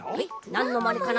なんのまねかな？